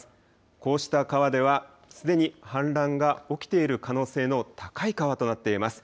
こうした川ではすでに氾濫が起きている可能性の高い川となっています。